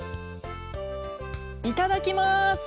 いただきます！